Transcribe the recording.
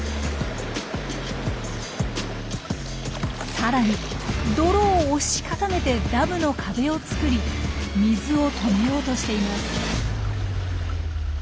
さらに泥を押し固めてダムの壁を作り水を止めようとしています。